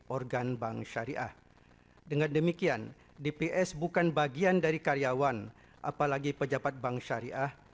organ bank syariah dengan demikian dps bukan bagian dari karyawan apalagi pejabat bank syariah